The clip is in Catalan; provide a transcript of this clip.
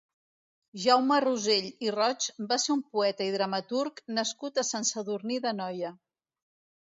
Jaume Rosell i Roig va ser un poeta i dramaturg nascut a Sant Sadurní d'Anoia.